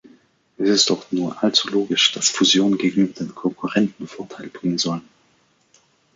Es ist doch nur allzu logisch, dass Fusionen gegenüber den Konkurrenten Vorteile bringen sollen.